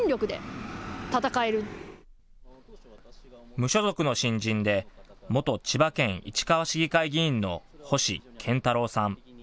無所属の新人で元千葉県市川市議会議員の星健太郎さん。